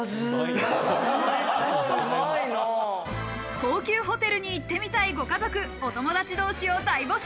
高級ホテルに行ってみたいご家族、お友達同士を大募集。